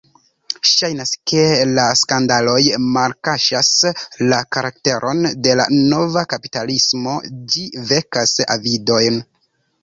Ŝajnas, ke la skandaloj malkaŝas la karakteron de la nova kapitalismo: ĝi vekas avidojn.